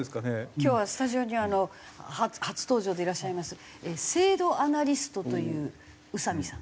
今日はスタジオには初登場でいらっしゃいます制度アナリストという宇佐美さん。